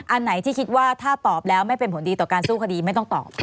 อันไหนที่คิดว่าถ้าตอบแล้วไม่เป็นผลดีต่อการสู้คดีไม่ต้องตอบ